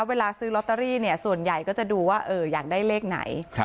เวลาซื้อลอตเตอรี่ส่วนใหญ่ก็จะดูว่าอยากได้เลขไหน